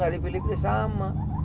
tidak dipilih pilih sama